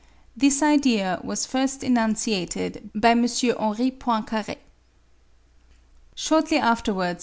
This idea was first enunciated by M. Henri Poincare. Shortly afterwards, M.